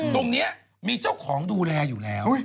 ตรงนี้มีเจ้าของดูแลอยู่แล้ว